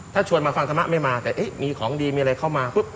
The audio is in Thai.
ถ้าชวนมาฟังธรรมะไม่มาแต่เอ๊ะมีของดีมีอะไรเข้ามาปุ๊บ